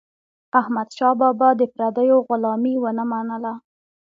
احمدشاه بابا د پردیو غلامي ونه منله.